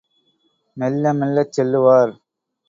மெல்ல மெல்லச் செல்லுவார்.